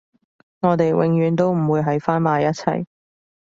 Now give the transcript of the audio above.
我哋永遠都唔會喺返埋一齊